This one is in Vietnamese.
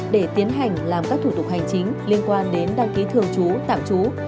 để tiến hành làm các thủ tục hành chính liên quan đến đăng ký thường trú tạm trú